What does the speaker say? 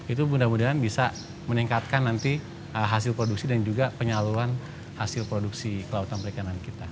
itu mudah mudahan bisa meningkatkan nanti hasil produksi dan juga penyaluran hasil produksi kelautan perikanan kita